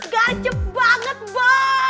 gajep banget bo